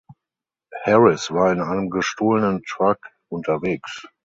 Harris war in einem gestohlenen Truck unterwegs.